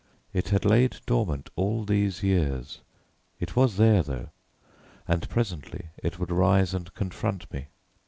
It had lain dormant all these years: it was there, though, and presently it would rise and confront me.